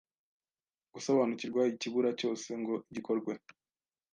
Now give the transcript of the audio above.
gusobanukirwa ikibura cyose ngo gikorwe